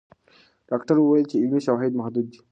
ډاکټره وویل چې علمي شواهد محدود دي.